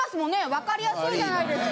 わかりやすいじゃないですか。